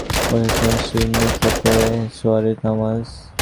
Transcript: মসজিদের শান এলাকাটিতে জোহরের নামাজ শেষে সবাই মিলে বসেছেন শিরনি খেতে।